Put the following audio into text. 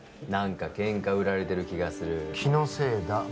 何かケンカ売られてる気がする気のせいだ